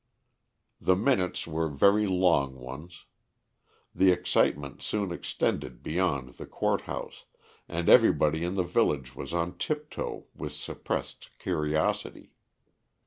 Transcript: The minutes were very long ones. The excitement soon extended beyond the court house, and everybody in the village was on tiptoe with suppressed curiosity.